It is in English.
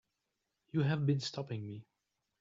You have been stopping me.